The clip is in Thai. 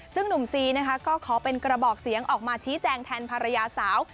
ซึ่งหนุ่มซีนะคะก็ขอเป็นกระบอกเสียงออกมาชี้แจงแทนภรรยาสาว